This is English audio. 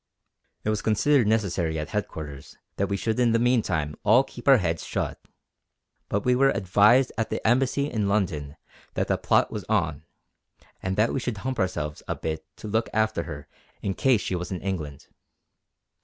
It was considered necessary at headquarters that we should in the meantime all keep our heads shut. But we were advised at the Embassy in London that the plot was on, and that we should hump ourselves a bit to look after her in case she was in England.